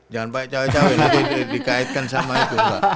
jangan pakai cewek cewek lagi dikaitkan sama itu